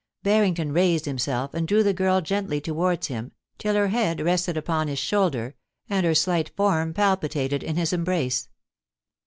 Barrington raised himself and drew the girl gently towards him till her head rested upon his shoulder, and her slight form palpitated in his embrace.